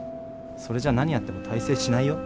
それじゃ何やっても大成しないよ。